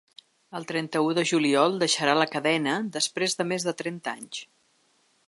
El trenta-u de juliol deixarà la cadena, després de més de trenta anys.